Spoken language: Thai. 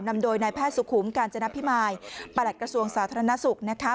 นำโดยนายแพทย์สุขุมกาญจนพิมายประหลัดกระทรวงสาธารณสุขนะคะ